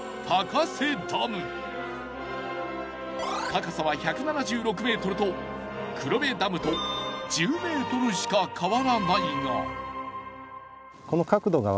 高さは１７６ｍと黒部ダムと１０ｍしか変わらないが。